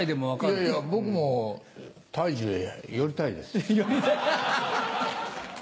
いやいや僕も大樹へ寄りたいです。